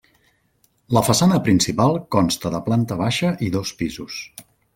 La façana principal consta de planta baixa i dos pisos.